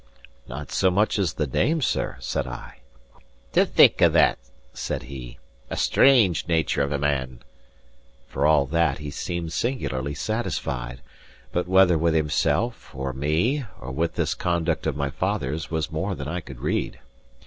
"Not so much as the name, sir," said I. "To think o' that!" said he. "A strange nature of a man!" For all that, he seemed singularly satisfied, but whether with himself, or me, or with this conduct of my father's, was more than I could read.